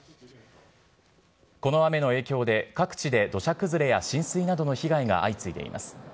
この雨の影響で、各地で土砂崩れや浸水などの被害が相次いでいます。